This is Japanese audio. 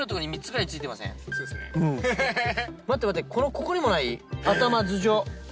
ここにもない⁉頭上。